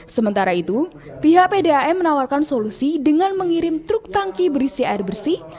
sementara itu pihak pdam menawarkan solusi dengan mengirim truk tangki berisi air bersih